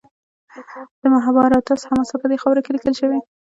د مهابهاراتا حماسه په دې خاوره کې لیکل شوې.